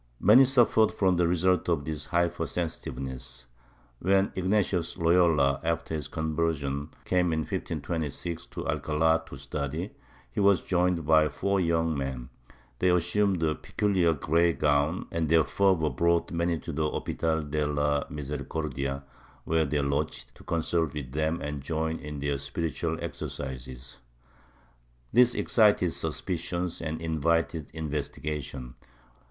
^ Many suffered from the results of this hyper sensitiveness. When Ignatius Loyola, after his conversion, came in 1526 to Alcald to study, he was joined by four young men ; they assumed a pecuhar gray gown and their fervor brought many to the Hopital de la Misericordia, where they lodged, to consult with them and join in their spiritual exer cises. This excited suspicion and invited investigation.